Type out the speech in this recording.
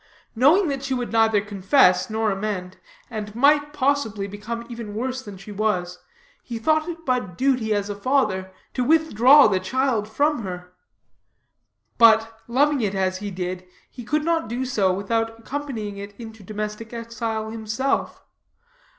Knowing that she would neither confess nor amend, and might, possibly, become even worse than she was, he thought it but duty as a father, to withdraw the child from her; but, loving it as he did, he could not do so without accompanying it into domestic exile himself.